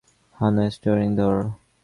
হা-না, steering ধর!